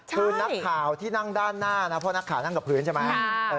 คือนักข่าวที่นั่งด้านหน้านะเพราะนักข่าวนั่งกับพื้นใช่ไหม